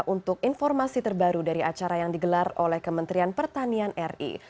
untuk informasi terbaru dari acara yang digelar oleh kementerian pertanian ri